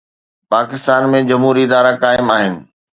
پاڪستان ۾ جمهوري ادارا قائم آهن.